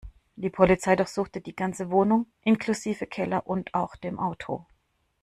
Die Polizei durchsuchte die ganze Wohnung inklusive Keller und auch dem Auto.